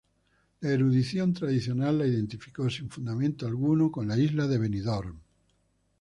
La erudición tradicional la identificó, sin fundamento alguno, con la isla de Benidorm.